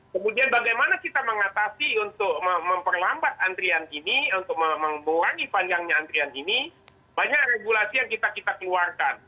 kemudian bagaimana kita mengatasi untuk memperlambat antrian ini untuk mengurangi panjangnya antrian ini banyak regulasi yang kita keluarkan